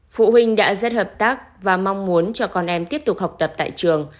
phụ huynh đã rất hợp tác và mong muốn cho con em tiếp tục học tập tại trường